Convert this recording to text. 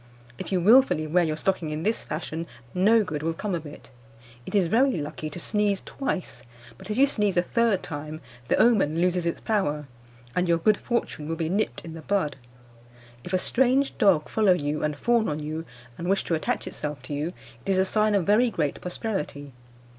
If you wilfully wear your stocking in this fashion, no good will come of it. It is very lucky to sneeze twice; but if you sneeze a third time, the omen loses its power, and your good fortune will be nipped in the bud. If a strange dog follow you, and fawn on you, and wish to attach itself to you, it is a sign of very great prosperity.